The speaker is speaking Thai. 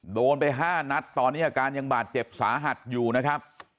โดนไป๕นัดตอนนี้อาการยังบาดเจ็บสาหัสอยู่นะครับ